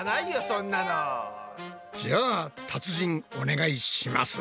そんなの。じゃあ達人お願いします！